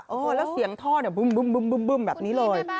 เออแล้วเสียงท่อเนี่ยบึ้มแบบนี้เลย